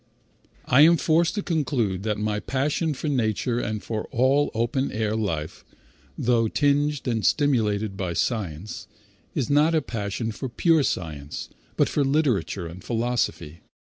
I am forced to conclude that my passion for nature and for all open air life, though tinged and stimulated by science, is not a passion for pure science, but for literature and philosophy.